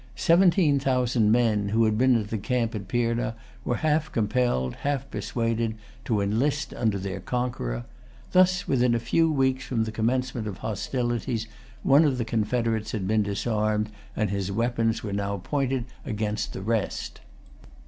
Seventeen thousand men who had been in the camp at Pirna were half compelled, half persuaded to enlist under their conqueror. Thus, within a few weeks from the commencement of hostilities, one of the confederates had been disarmed, and his weapons were now pointed against the rest.